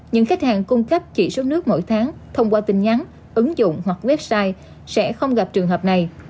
những khách hàng cung cấp chỉ số nước mỗi tháng thông qua tin nhắn ứng dụng hoặc website sẽ không gặp trường hợp này